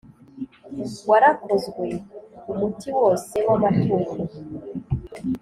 warakozwe umuti wose w amatungo